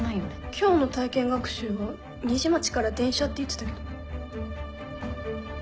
今日の体験学習は虹町から電車って言ってたけど。